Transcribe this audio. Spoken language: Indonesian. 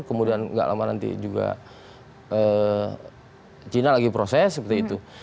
kemudian gak lama nanti juga china lagi proses seperti itu